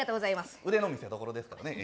腕の見せどころですからね。